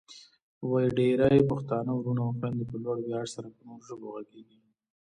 ولې ډېرای پښتانه وروڼه او خويندې په لوړ ویاړ سره په نورو ژبو غږېږي؟